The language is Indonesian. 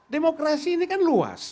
demokrasi ini kan luas